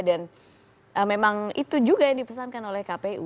dan memang itu juga yang dipesankan oleh kpu